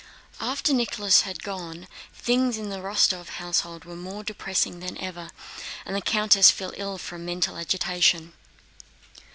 After Nicholas had gone things in the Rostóv household were more depressing than ever, and the countess fell ill from mental agitation.